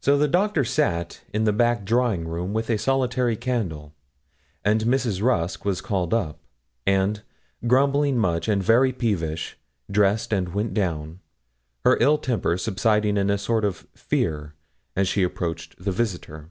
So the Doctor sat in the back drawing room, with a solitary candle; and Mrs. Rusk was called up, and, grumbling much and very peevish, dressed and went down, her ill temper subsiding in a sort of fear as she approached the visitor.